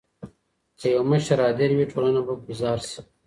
که يو مشر عادل وي ټولنه به ګلزار سي.